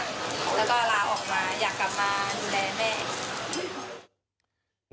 แล้วก็ลาออกมาอยากกลับมาดูแลแม่